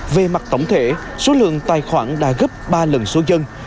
về mặt tổng thể số lượng tài khoản đã gấp ba lần số dân